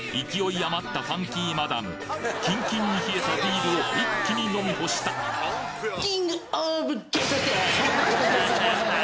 余ったファンキーマダムキンキンに冷えたビールを一気に飲み干したイカスミ？